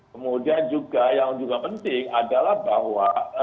kemudian juga yang juga penting adalah bahwa